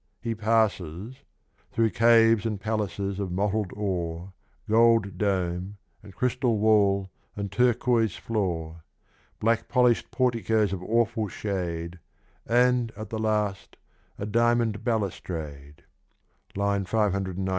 He passes — Through caves and palaces of mottled ore, Gold dome, and crystal wall and turquois floor. Black polish'd porticos of awful shade, And, at the last, a diamond balustrade : (II.